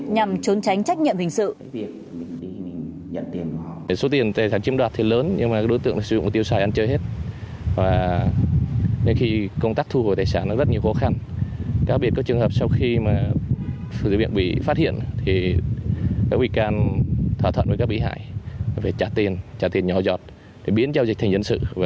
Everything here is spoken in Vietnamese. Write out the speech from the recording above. nhằm trốn tránh trách nhiệm hình sự